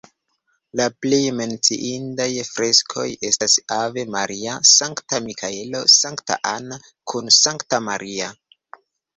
La plej menciindaj freskoj estas Ave Maria, Sankta Mikaelo, Sankta Anna kun Sankta Maria.